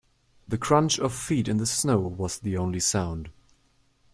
The crunch of feet in the snow was the only sound.